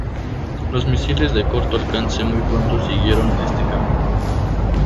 Los misiles de corto alcance muy pronto siguieron este camino.